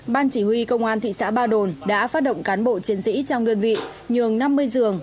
ban chỉ huy công an thị xã ba đồn đã phát động cán bộ chiến sĩ trong đơn vị nhường năm mươi giường